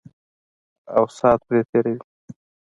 او سات پرې تېروي.